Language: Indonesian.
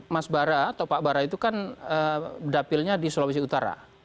mas bara atau pak bara itu kan dapilnya di sulawesi utara